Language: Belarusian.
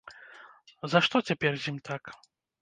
За што цяпер з ім так?